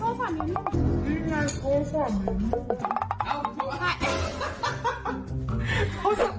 นี่ไงเอ๊กซ์ก่อนอุ้ว